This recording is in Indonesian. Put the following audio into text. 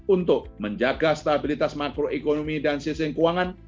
untuk menjaga stabilitas makroekonomi dan sistem keuangan